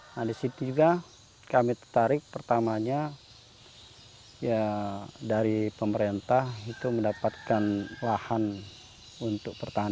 nah disitu juga kami tertarik pertamanya ya dari pemerintah itu mendapatkan lahan untuk pertahanan